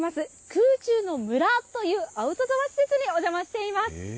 空中のむらというアウトドア施設にお邪魔しています。